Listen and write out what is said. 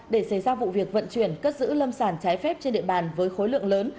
để xảy ra vụ việc vận chuyển cất giữ lâm sản trái phép trên địa bàn với khối lượng lớn